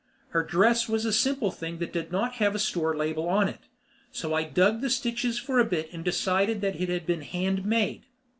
Her dress was a simple thing that did not have a store label on it, and so I dug the stitches for a bit and decided that it had been hand made.